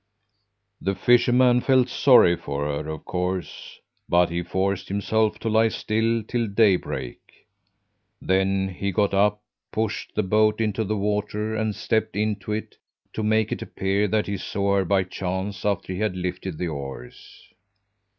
"The fisherman felt sorry for her, of course, but he forced himself to lie still till daybreak. Then he got up, pushed the boat into the water, and stepped into it to make it appear that he saw her by chance after he had lifted the oars.